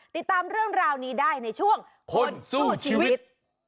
ติดตามเรื่องราวนี้ได้ในช่วงคนสู้ชีวิต